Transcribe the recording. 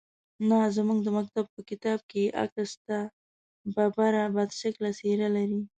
_نه، زموږ د مکتب په کتاب کې يې عکس شته. ببره، بدشکله څېره لري.